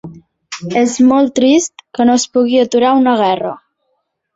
És molt trist que no es pugui aturar una guerra.